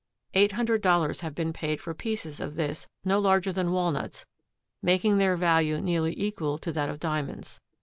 Eight hundred dollars have been paid for pieces of this no larger than walnuts, making their value nearly equal to that of diamonds.